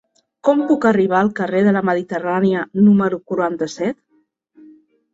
Com puc arribar al carrer de la Mediterrània número quaranta-set?